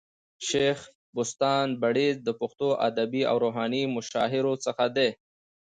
شېخ بُستان بړیڅ د پښتو ادبي او روحاني مشاهيرو څخه دئ.